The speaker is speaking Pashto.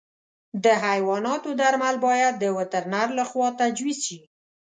د حیواناتو درمل باید د وترنر له خوا تجویز شي.